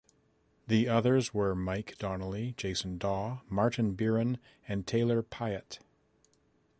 The others were Mike Donnelly, Jason Dawe, Martin Biron, and Taylor Pyatt.